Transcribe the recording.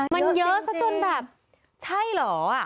มันเยอะซะจนแบบใช่เหรอ